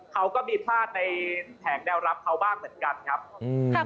เขาก็มีพลาดในแผงแนวรับเขาบ้างเหมือนกันครับอืม